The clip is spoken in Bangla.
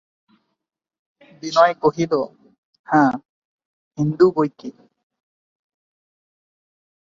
বিনয় কহিল, হাঁ, হিন্দু বৈকি।